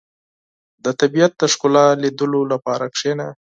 • د طبیعت د ښکلا لیدلو لپاره کښېنه.